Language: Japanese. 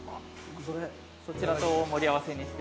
そちらと盛り合わせにして。